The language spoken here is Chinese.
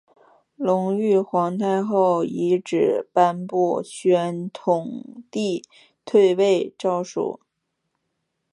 隆裕皇太后懿旨颁布宣统帝退位诏书。